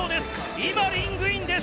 今、リングインです。